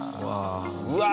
うわ。